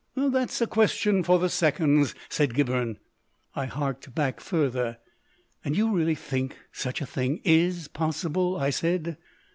"That's a question for the seconds," said Gibberne. I harked back further. "And you really think such a thing IS possible?" I said.